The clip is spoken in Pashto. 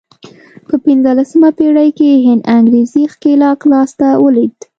په پنځلسمه پېړۍ کې هند انګرېزي ښکېلاک لاس ته ولوېد.